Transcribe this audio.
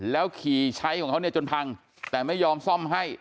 แล้วขี่ใช้ของเขาเนี่ยจนพังแต่ไม่ยอมซ่อมให้